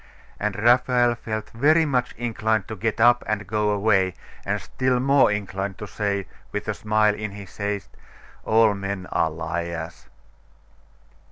And Raphael felt very much inclined to get up and go away, and still more inclined to say, with a smile, in his haste, 'All men are liars.